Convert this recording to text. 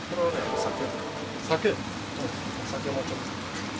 お酒もちょっと。